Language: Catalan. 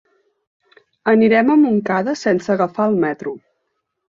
Anirem a Montcada sense agafar el metro.